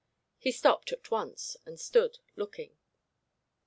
He stopped at once and stood looking.